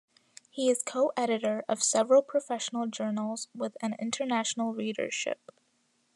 He is co-editor of several professional journals with an international readership.